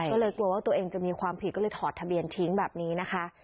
ก็เลยกลัวว่าตัวเองจะมีความผิดก็เลยถอดทะเบียนทิ้งแบบนี้นะคะ